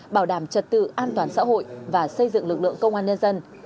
bảo đảm trật tự an toàn xã hội và xây dựng lực lượng công an nhân dân